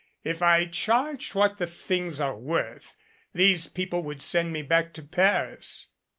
If I charged what the things are worth, these people would send me back to Paris."